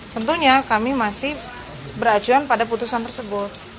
tentunya kami masih beracuan pada putusan tersebut